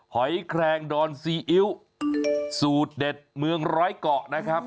หอยแครงดอนซีอิ๊วสูตรเด็ดเมืองร้อยเกาะนะครับ